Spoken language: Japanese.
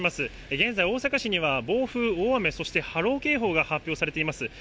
現在、大阪市には暴風、大雨、そして波浪警報が発表されています。